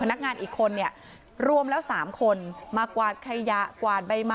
พนักงานสิคนเนี่ยรวมแล้วสามคนมากวาดขยะกวาด